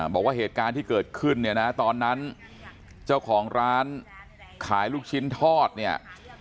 บอกว่าเหตุการณ์ที่เกิดขึ้นเนี่ยนะตอนนั้นเจ้าของร้านขายลูกชิ้นทอดเนี่ย